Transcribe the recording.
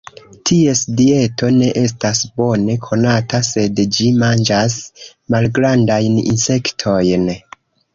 Ties dieto ne estas bone konata, sed ĝi manĝas malgrandajn insektojn.